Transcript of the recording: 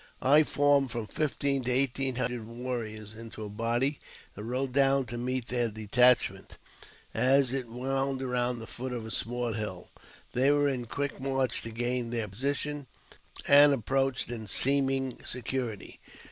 I formed from fifteen to eighteen hundred warriors into a body, and rode down to meet their detachment as it wound around the foot of a small hill. They were in quick march to gain their position, and approached in seeming security.